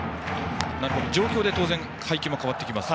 状況で配球も変わってきますか。